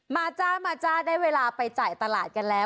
จ้ามาจ้าได้เวลาไปจ่ายตลาดกันแล้ว